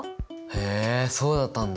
へえそうだったんだ。